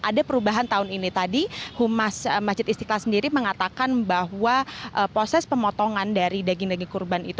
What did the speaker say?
ada perubahan tahun ini tadi humas masjid istiqlal sendiri mengatakan bahwa proses pemotongan dari daging daging kurban itu